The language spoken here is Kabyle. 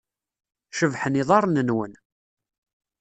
Cebḥen yiḍarren-nwen.